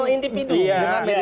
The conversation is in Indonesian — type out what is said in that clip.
ini memprofesi jauh individu